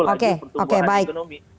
lagi pertumbuhan ekonomi